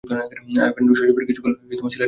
আইয়ুবের শৈশবের কিছুকাল সিলেটে অতিবাহিত হয়।